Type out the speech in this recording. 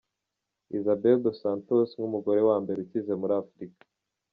Isabel Dos Santos, nk’umugore wa mbere ukize muri Africa.